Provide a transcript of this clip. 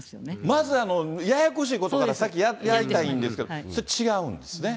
まずややこしいことから先やりたいんですけどって、それ、違うんですね。